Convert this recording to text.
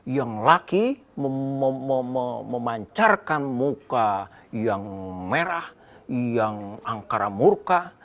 yang laki memancarkan muka yang merah yang angkara murka